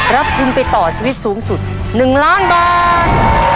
รับทุนไปต่อชีวิตสูงสุด๑ล้านบาท